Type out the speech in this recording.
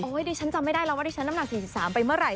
ดิฉันจำไม่ได้แล้วว่าดิฉันน้ำหนัก๔๓ไปเมื่อไห